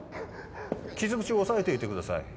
傷口を押さえていてください